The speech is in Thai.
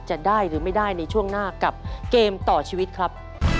จะได้หรือไม่ได้ในช่วงหน้ากับเกมต่อชีวิตครับ